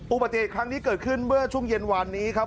อุบัติเหตุครั้งนี้เกิดขึ้นเมื่อช่วงเย็นวานนี้ครับ